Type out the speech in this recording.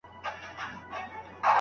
بس ستا و، ستا د ساه د ښاريې وروستی قدم و